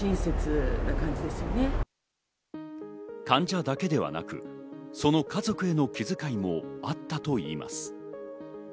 患者だけではなく、その家族への気づかいもあったといいます。